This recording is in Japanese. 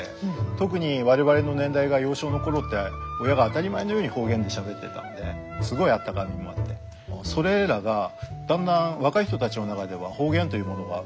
特に我々の年代が幼少の頃って親が当たり前のように方言でしゃべってたんですごいあったかみもあってそれらがだんだん若い人たちの中では方言というものは風化して。